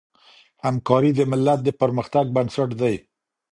همکاري د ملت د پرمختګ بنسټ دی.